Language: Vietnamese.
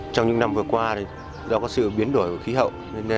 trong những năm vừa qua do có sự biến đổi của khí hậu